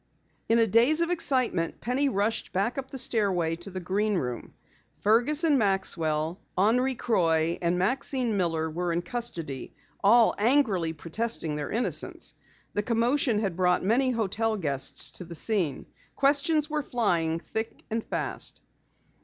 In a daze of excitement Penny rushed back up the stairway to the Green Room. Fergus and Maxwell, Henri Croix, and Maxine Miller were in custody, all angrily protesting their innocence. The commotion had brought many hotel guests to the scene. Questions were flying thick and fast.